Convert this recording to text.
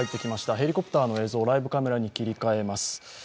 ヘリコプターの映像、ライブカメラに切り替えます。